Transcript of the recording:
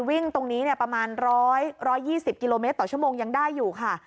วิ่งตรงนี้ประมาณ๑๒๐กิโลเมตรต่อชั่วโมงยังได้อยู่ค่ะ